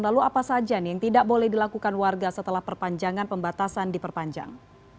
lalu apa saja yang tidak boleh dilakukan warga setelah perpanjangan pembatasan diperpanjang